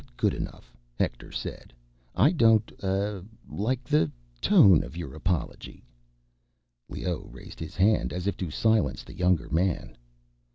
"Not good enough," Hector said. "I don't, uh, like the ... tone of your apology." Leoh raised a hand, as if to silence the younger man.